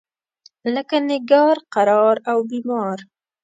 لکه نګار، قرار او بیمار.